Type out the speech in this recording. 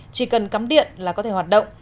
chỉ cần cắm điện là có thể hoạt động